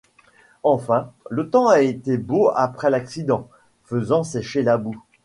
Enfin, le temps a été beau après l'accident, faisant sécher la boue.